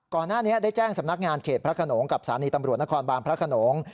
ก่อนหน้านี้ได้แจ้งสำนักงานเขตพระขนงกับสถานีตำรวจนครบานพระขนง